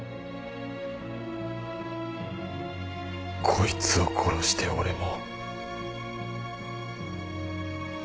こいつを殺して俺も。